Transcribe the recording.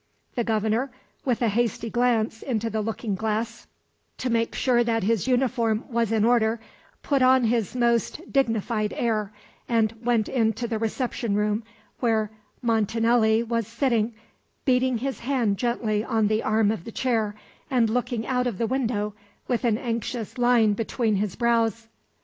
The Governor, with a hasty glance into the looking glass, to make sure that his uniform was in order, put on his most dignified air, and went into the reception room, where Montanelli was sitting, beating his hand gently on the arm of the chair and looking out of the window with an anxious line between his brows.